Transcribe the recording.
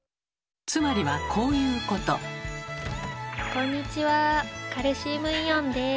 こんにちはカルシウムイオンです。